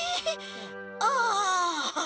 ああ。